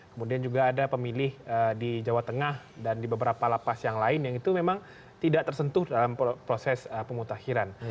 kemudian juga ada pemilih di jawa tengah dan di beberapa lapas yang lain yang itu memang tidak tersentuh dalam proses pemutahiran